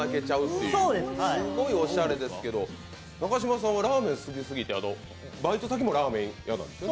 すごいおしゃれですけど中嶋さんがラーメン好きすぎてバイトもラーメンで？